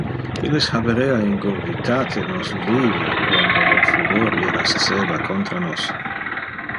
Illes haberea ingurgitate nos vive, quando lor furor irasceva contra nos.